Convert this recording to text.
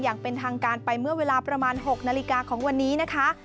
อย่างเป็นทางการไปเมื่อเวลาประมาณ๖นาฬิกาของวันนี้นะคะ